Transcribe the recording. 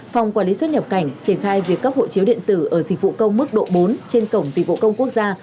phòng quản lý xuất nhập cảnh triển khai việc cấp hộ chiếu điện tử ở dịch vụ công mức độ bốn trên cổng dịch vụ công quốc gia